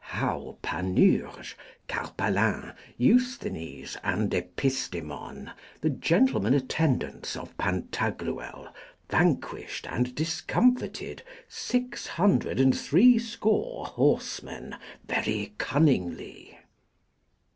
How Panurge, Carpalin, Eusthenes, and Epistemon, the gentlemen attendants of Pantagruel, vanquished and discomfited six hundred and threescore horsemen very cunningly.